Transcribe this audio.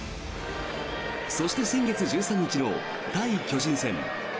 そして、先月１３日の対巨人戦。